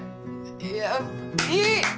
いやいい！